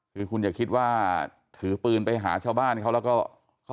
คือคุณอย่าคิดว่าถือปืนไปหาชาวบ้านเขาแล้วก็เขา